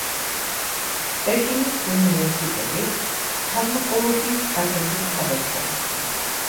პეკინის უნივერსიტეტის ფარმაკოლოგიის კათედრის თანამშრომელი.